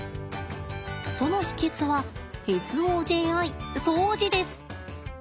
その秘けつはＳＯＪＩ掃除です！